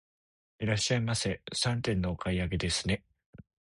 いらっしゃいませ、三点のお買い上げですね。